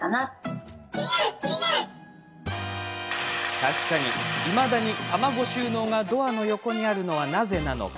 確かに、いまだに卵収納がドアの横にあるのはなぜなのか。